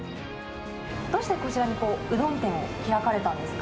どうしてこちらにうどん店を開かれたんですか？